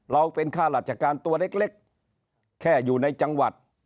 เราเป็นค่าราชการตัวเล็กแค่อยู่ในจังหวัด